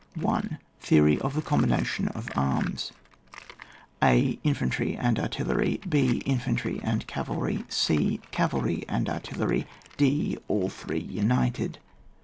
1. Theory of the combination of arms: — a. Infantry and artillery. h. Infantry and cavalry. e. Cavalry and artillery. d. All three united.